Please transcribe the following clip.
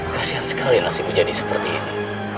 kasian sekali yang masih ku jadi seperti ini